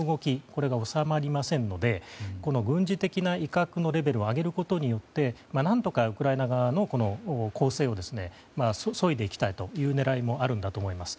これが収まりませんので軍事的な威嚇のレベルを上げることによって何とかウクライナ側の攻勢を削いでいきたいという狙いもあるんだと思います。